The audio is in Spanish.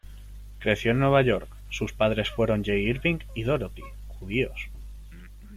Creció en Nueva York; sus padres fueron Jay Irving y Dorothy, judíos.